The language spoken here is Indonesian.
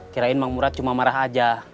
kirain emang murad cuma marah aja